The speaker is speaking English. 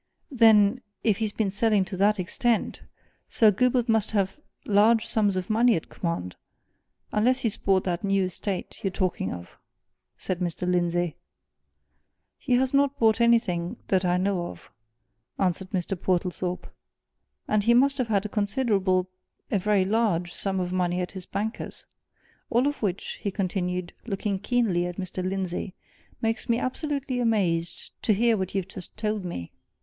"Then, if he's been selling to that extent, Sir Gilbert must have large sums of money at command unless he's bought that new estate you're talking of," said Mr. Lindsey. "He has not bought anything that I know of," answered Mr. Portlethorpe. "And he must have a considerable a very large sum of money at his bankers'. All of which," he continued, looking keenly at Mr. Lindsey, "makes me absolutely amazed to hear what you've just told me.